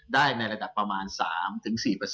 ได้ในระดับ๓ถึง๔